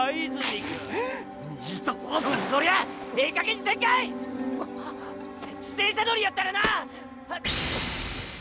自転車乗りやったらな！